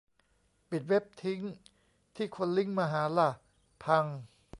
ปิดเว็บทิ้ง ที่คนลิงก์มาหาล่ะ ? พัง ?